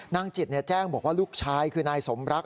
นางจิตแจ้งบอกว่าลูกชายคือนายสมรัก